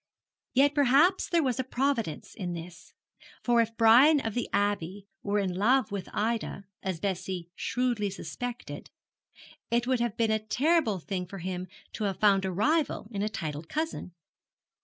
Yet perhaps there was a providence in this; for if Brian of the Abbey were in love with Ida, as Bessie shrewdly suspected, it would have been a terrible thing for him to have found a rival in a titled cousin.